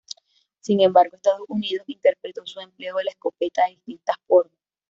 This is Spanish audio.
Sin embargo, Estados Unidos interpretó su empleo de la escopeta de distinta forma.